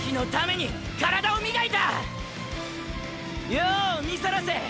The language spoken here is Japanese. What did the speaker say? よう見さらせ！！